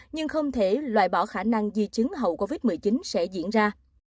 nhưng không thể loại bỏ khả năng di chứng hậu covid một mươi chín sẽ diễn ra